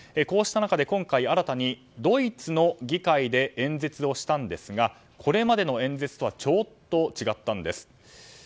こうした中で今回、新たにドイツの議会で演説をしたんですがこれまでの演説とはちょっと違ったんです。